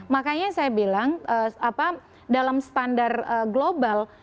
makanya saya bilang dalam standar global